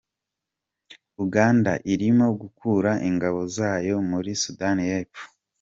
Uganda irimo gukura ingabo zayo muri Sudani y’Epfo.